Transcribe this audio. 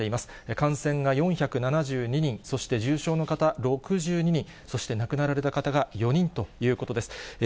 感染が４７２人、そして重症の方６２人、そして亡くなられた方が４人ということです。